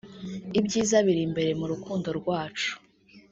Ibyiza biri imbere mu rukundo rwacu”